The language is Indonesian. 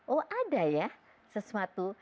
oh ada ya sesuatu